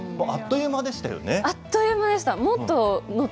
あっという間でした。